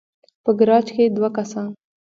په ګراج کې دوه کسان